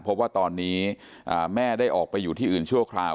เพราะว่าตอนนี้แม่ได้ออกไปอยู่ที่อื่นชั่วคราว